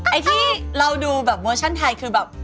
ไอ้ที่เราดูแบบเวอร์ชั่นไทยคือแบบ